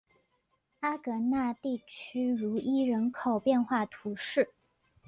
阿戈讷地区茹伊人口变化图示